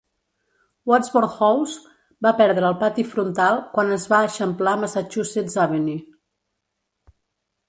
Wadsworth House va perdre el pati frontal quan es va eixamplar Massachussets Avenue.